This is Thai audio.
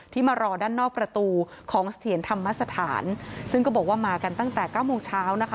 มารอด้านนอกประตูของเสถียรธรรมสถานซึ่งก็บอกว่ามากันตั้งแต่เก้าโมงเช้านะคะ